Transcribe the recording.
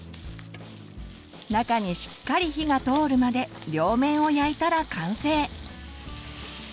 中にしっかり火が通るまで両面を焼いたら完成。